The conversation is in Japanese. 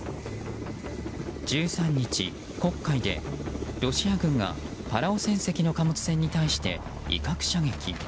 １３日、黒海でロシア軍がパラオ船籍の貨物船に対して威嚇攻撃。